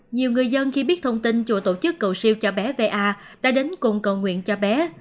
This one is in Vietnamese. nhiều người dân khi biết thông tin chùa tổ chức cầu siêu cho bé va đã đến cùng cầu nguyện cho bé